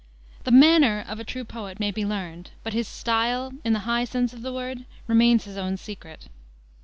The manner of a true poet may be learned, but his style, in the high sense of the word, remains his own secret.